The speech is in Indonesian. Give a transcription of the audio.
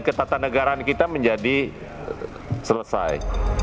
ketatanegaraan kita menjadi selesai